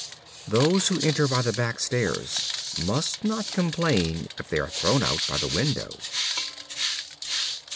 Those who enter by the back stairs must not complain if they are thrown out by the window.